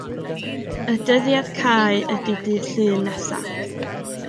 Y dyddiad cau ydi dydd Llun nesa'.